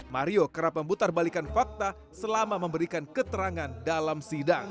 mario kerap memutarbalikan fakta selama memberikan keterangan dalam sidang